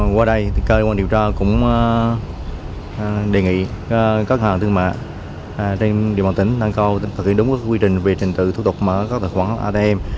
qua đây cơ quan điều tra cũng đề nghị các hàng thương mại trên địa bàn tỉnh nâng cao thực hiện đúng các quy trình về trình tự thủ tục mở các tài khoản atm